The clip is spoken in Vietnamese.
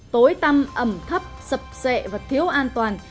tối tâm ẩm thấp sập sệ và thiếu an toàn